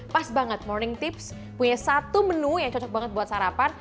pas banget morning tips punya satu menu yang cocok banget buat sarapan